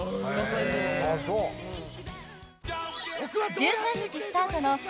［１３日スタートのドラマ